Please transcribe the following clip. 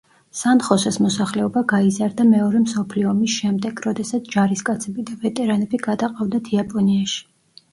სან-ხოსეს მოსახლეობა გაიზარდა მეორე მსოფლიო ომის შემდეგ, როდესაც ჯარისკაცები და ვეტერანები გადაყავდათ იაპონიაში.